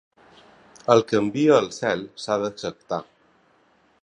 El que envia el cel s'ha d'acceptar!